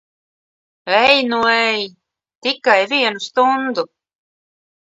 Ej nu ej! Tikai vienu stundu?